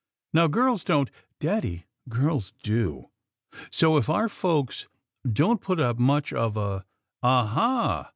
Now, girls don't " "Daddy, girls do! So, if our folks don't put up too much of a " "_Aha!!